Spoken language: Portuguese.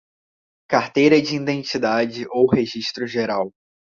Carteira de Identidade ou Registro Geral